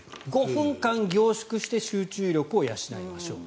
５分間、凝縮して集中力を養いましょう。